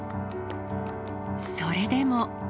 それでも。